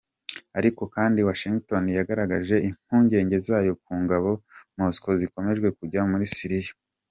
Ariko kandi Washington yagaragaje impungenge zayo ku ngabo za Moscow zikomeje kujya muri Siriya.